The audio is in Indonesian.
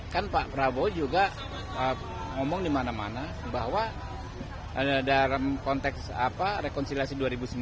kan pak prabowo juga ngomong dimana mana bahwa dalam konteks rekonsiliasi dua ribu sembilan belas